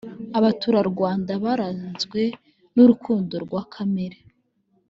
abaturarwanda baranzwe nurukundo rwakamere